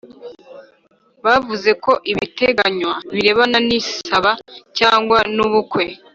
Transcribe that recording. bavuze ko ibiteganywa birebana n isaba cyangwa n ubukwe